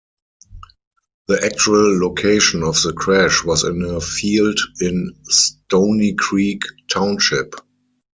The actual location of the crash was in a field in Stonycreek Township.